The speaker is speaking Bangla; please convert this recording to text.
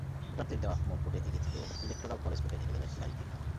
ভোটারদের দেওয়া মোট ভোটে এগিয়ে থেকেও ইলেকটোরাল কলেজ ভোটে হেরে গেলেন হিলারি ক্লিনটন।